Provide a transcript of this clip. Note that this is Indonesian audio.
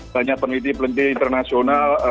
banyak peneliti peneliti internasional